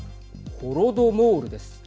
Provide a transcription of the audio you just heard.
ホロドモールです。